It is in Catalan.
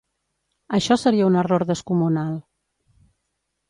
Això seria un error descomunal.